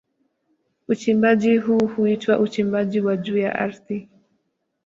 Uchimbaji huu huitwa uchimbaji wa juu ya ardhi.